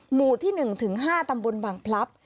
หมู่ที่๑๕ตำบลบางพลัพธ์